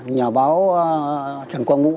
nhà báo trần quang ngũ